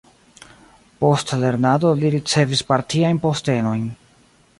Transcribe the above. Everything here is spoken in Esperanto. Post lernado li ricevis partiajn postenojn.